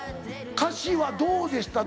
歌詞はどうでした？